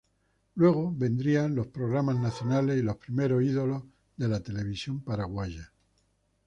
Luego vendrían los programas nacionales y los primeros ídolos de la televisión paraguaya.